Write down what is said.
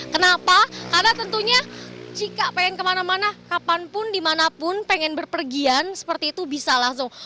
kenapa karena tentunya jika pengen kemana mana kapanpun dimanapun pengen berpergian seperti itu bisa langsung